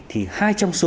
thì hai trong số